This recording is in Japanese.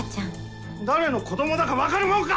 誰の子どもだか分かるもんか！